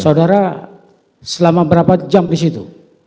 saudara selama berapa jam di situ